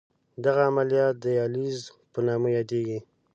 دغه عملیه د دیالیز په نامه یادېږي.